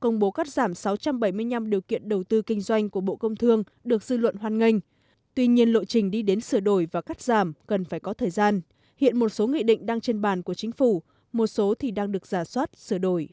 công bố cắt giảm sáu trăm bảy mươi năm điều kiện đầu tư kinh doanh của bộ công thương được dư luận hoan nghênh tuy nhiên lộ trình đi đến sửa đổi và cắt giảm cần phải có thời gian hiện một số nghị định đang trên bàn của chính phủ một số thì đang được giả soát sửa đổi